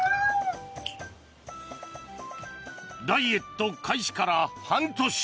ダイエット開始から半年。